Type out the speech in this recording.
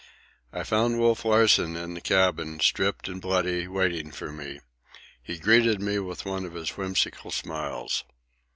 I found Wolf Larsen in the cabin, stripped and bloody, waiting for me. He greeted me with one of his whimsical smiles.